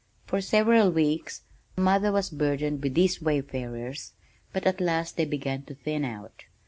For several weeks mother was burdened with these wayfarers, but at last they began to thin out.